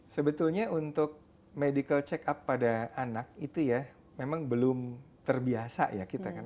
sebetulnya untuk medical check up pada anak itu ya memang belum terbiasa ya kita kan